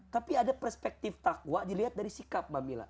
tapi ada perspektif takwa dilihat dari sikap mbak mila